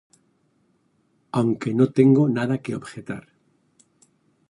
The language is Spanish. Aunque no tengo nada que objetar.